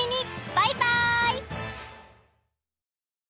バイバイ！